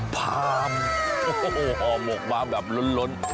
พามโอ้โหห่อหมกมาแบบล้น